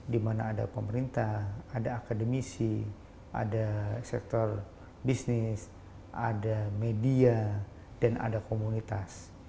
dimana ada pemerintah ada akademisi ada sektor bisnis ada media dan ada komunitas